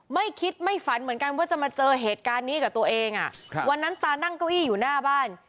ไม่คิดไม่ฝันเหมือนกันว่าจะมาเจอเหตุการณ์นี้กับตัวเองวันนั้นตานั่งเก้าอี้อยู่หน้าบ้าน